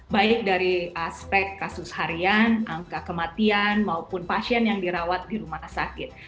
baik dari aspek kasus harian angka kematian maupun pasien yang dirawat di rumah sakit